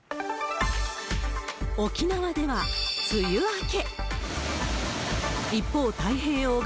沖縄では梅雨明け。